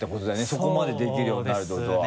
そこまでできるようになるってことは。